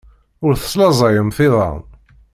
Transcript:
Ur teslaẓayemt iḍan.